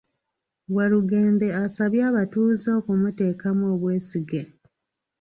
Walugembe asabye abatuuze okumuteekamu obwesige